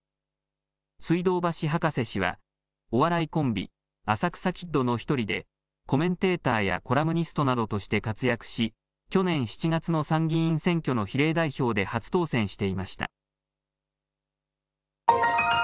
水道橋博士氏はお笑いコンビ、浅草キッドの１人でコメンテーターやコラムニストなどとして活躍し去年７月の参議院選挙の比例代表で初当選していました。